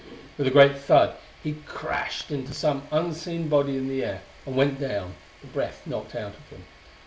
With a great thud he crashed into some unseen body in the air, and went down, the breath knocked out of him.